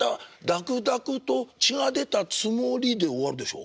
だくだくと血が出たつもり」で終わるでしょ？